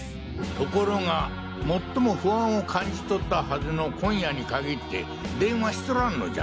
ところが最も不安を感じとったはずの今夜に限って電話しとらんのじゃ。